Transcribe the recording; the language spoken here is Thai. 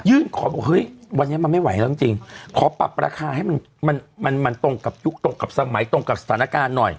ขอบอกเฮ้ยวันนี้มันไม่ไหวแล้วจริงขอปรับราคาให้มันมันตรงกับยุคตรงกับสมัยตรงกับสถานการณ์หน่อย